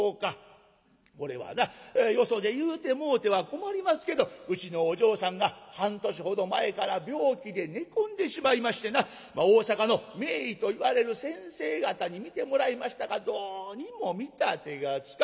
これはなよそで言うてもうては困りますけどうちのお嬢さんが半年ほど前から病気で寝込んでしまいましてな大坂の名医といわれる先生方に診てもらいましたがどうにも見立てがつかん。